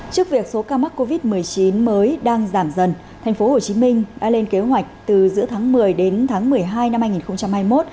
trước việc số ca mắc covid một mươi chín mới đang giảm dần tp hcm đã lên kế hoạch từ giữa tháng một mươi đến tháng một mươi hai năm hai nghìn hai mươi một